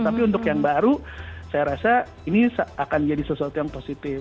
tapi untuk yang baru saya rasa ini akan jadi sesuatu yang positif